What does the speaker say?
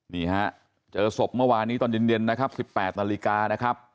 นี่ฮะเจอศพเมื่อวานนี้ตอนเย็นนะครับ๑๘นาฬิกานะครับ